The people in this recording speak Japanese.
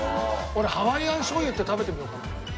俺ハワイアン醤油って食べてみようかな。